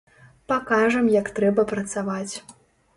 Пакажам як трэба працаваць.